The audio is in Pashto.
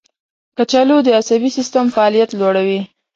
کچالو د عصبي سیستم فعالیت لوړوي.